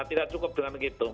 tidak cukup dengan itu